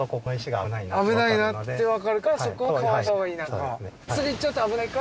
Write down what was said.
危ないなってわかるからそこはかわしたほうがいいなとか。